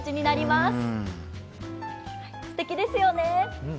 すてきですよね。